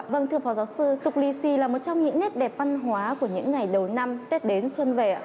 vâng thưa phó giáo sư tục lì xì là một trong những nét đẹp văn hóa của những ngày đầu năm tết đến xuân về